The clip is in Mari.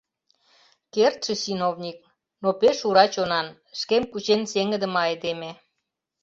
— Кертше чиновник, но пеш ура чонан, шкем кучен сеҥыдыме айдеме!”